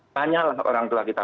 panyalah orang tua kita